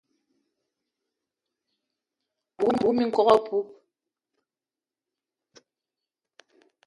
A bug minkok apoup